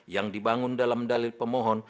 yang dibangun dalam dalil pemohon